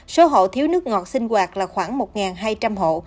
số hộ thiếu nước ngọt sinh hoạt là khoảng một hai trăm linh hộ